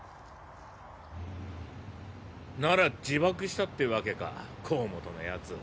なら自爆したってわけか甲本の奴。